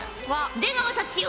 出川たちよ